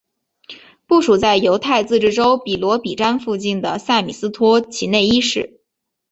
部署在犹太自治州比罗比詹附近的塞米斯托齐内伊市。